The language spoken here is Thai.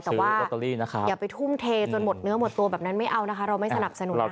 แต่ว่าลอตเตอรี่นะคะอย่าไปทุ่มเทจนหมดเนื้อหมดตัวแบบนั้นไม่เอานะคะเราไม่สนับสนุน